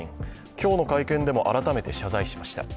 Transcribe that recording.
今日の会見でも改めて謝罪しました。